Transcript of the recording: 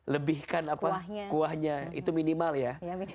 lebihkan apa kuahnya itu minimal ya